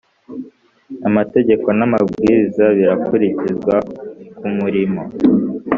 Amategeko n’amabwiriza birakurikizwa kumurimo